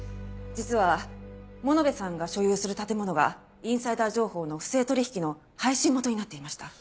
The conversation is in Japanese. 実は物部さんが所有する建物がインサイダー情報の不正取引の配信元になっていました。